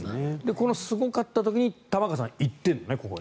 このすごかった時に玉川さん行ってるのね、ここ。